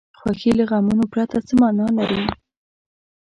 خوښي له غمونو پرته څه معنا لري.